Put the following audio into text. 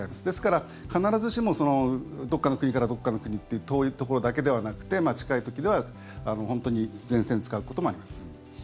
ですから必ずしもどこかの国からどこかの国という遠いところだけではなくて近い時では本当に前線で使うこともあります。